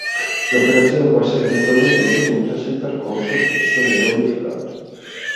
L'operazione può essere eventualmente ripetuta se il percorso stesso viene modificato.